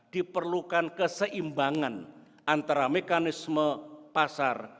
diperlukan keseimbangan antara mekanisme pasar